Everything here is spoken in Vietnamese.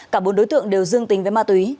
cả bốn đối tượng đều dương tính với ma túy